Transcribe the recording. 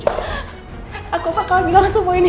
aku bakal bilang semua ini